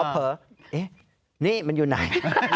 เผลอนี่มันอยู่ไหน